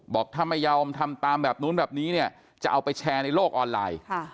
บอกถ้าไม่ยอมทำตามแบบนู้นแบบนี้เนี่ยจะเอาไปแชร์ในโลกออนไลน์